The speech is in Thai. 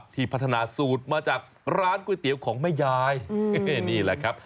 ที่พัฒนาสูตรมาจากร้านก๋วยเตี๋ยวของแม่ยายนี่แหละครับ